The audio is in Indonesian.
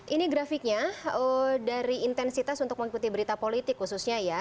ini grafiknya dari intensitas untuk mengikuti berita politik khususnya ya